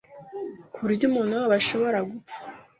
ku buryo umuntu wabo ashobora gupfa